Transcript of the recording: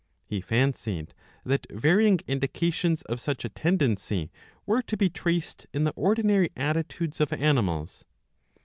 He fancied that varying indications of such a tendency were to be traced in the ordinary attitudes of animals.